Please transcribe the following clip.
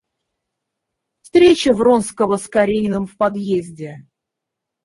Встреча Вронского с Карениным в подъезде.